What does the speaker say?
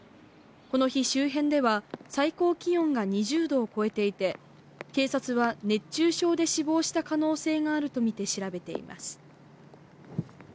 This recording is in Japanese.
この日、周辺では最高気温が２０度を超えていて、警察は熱中症で死亡した可能性があるとみて調べています。